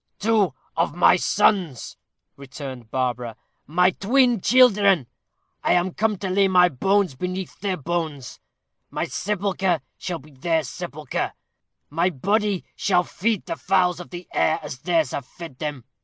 "Two of my sons," returned Barbara; "my twin children. I am come to lay my bones beneath their bones my sepulchre shall be their sepulchre; my body shall feed the fowls of the air as theirs have fed them.